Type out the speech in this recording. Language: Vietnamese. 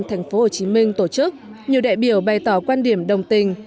thành phố hồ chí minh tổ chức nhiều đại biểu bày tỏ quan điểm đồng tình